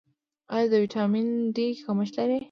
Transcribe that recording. ایا د ویټامین ډي کمښت لرئ؟